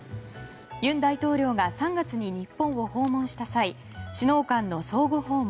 尹大統領が３月に日本を訪問した際首脳間の相互訪問